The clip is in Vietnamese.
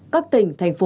các tỉnh thành phố